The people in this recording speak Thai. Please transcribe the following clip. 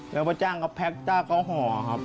แล้วพ่อจ้างก็แพ็กจ้างก็ห่อครับ